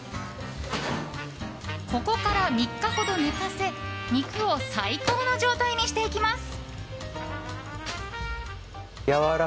ここから３日ほど寝かせ肉を最高の状態にしていきます。